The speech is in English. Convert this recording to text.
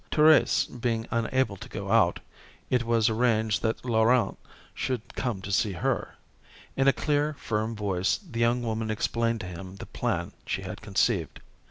Thérèse being unable to go out, it was arranged that Laurent should come to see her. In a clear, firm voice the young woman explained to him the plan she had conceived.